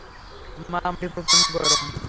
মা, মাটি প্রচন্ড গরম।